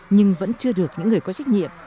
nhưng vẫn chưa được những người có trách nhiệm